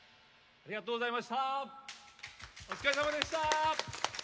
ありがとうございます。